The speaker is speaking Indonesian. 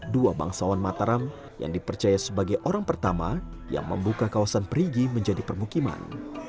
dua bangsawan mataram yang dipercaya sebagai orang pertama yang membuka kawasan perigi menjadi permukiman